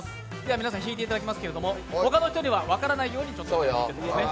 皆さん引いていただきますけれども、他の人には分からないように引いてください。